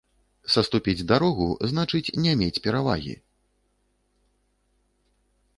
Саступіць дарогу, значыць не мець перавагі